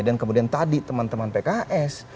dan kemudian tadi teman teman pks